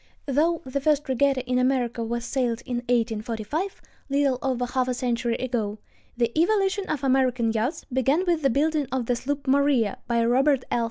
Though the first regatta in America was sailed in 1845, little over half a century ago, the evolution of American yachts began with the building of the sloop Maria by Robert L.